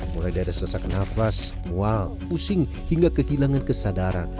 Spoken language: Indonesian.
mulai dari sesak nafas mual pusing hingga kehilangan kesadaran